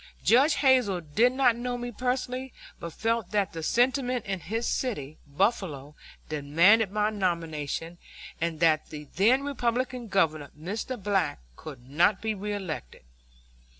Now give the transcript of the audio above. Judge Hazel did not know me personally, but felt that the sentiment in his city, Buffalo, demanded my nomination, and that the then Republican Governor, Mr. Black, could not be reelected.